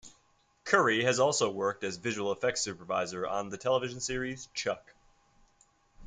Curry has also worked as visual effects supervisor on the television series "Chuck".